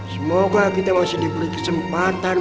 semoga kita masih diberi kesempatan